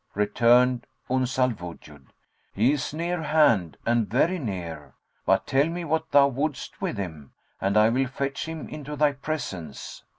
Returned Uns al Wujud, "He is near hand and very near; but tell me what thou wouldst with him, and I will fetch him into thy presence."